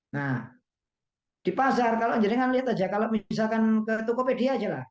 nah di pasar kalau jenengan lihat aja kalau misalkan ke tokopedia aja lah